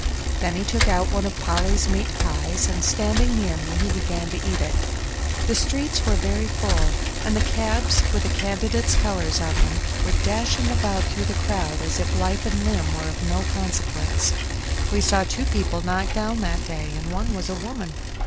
Then he took out one of Polly's meat pies, and standing near me, he began to eat it. The streets were very full, and the cabs, with the candidates' colors on them, were dashing about through the crowd as if life and limb were of no consequence; we saw two people knocked down that day, and one was a woman.